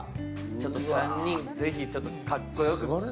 ちょっと３人、ぜひかっこよく。